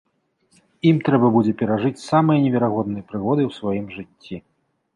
Ім трэба будзе перажыць самыя неверагодныя прыгоды ў сваім жыцці.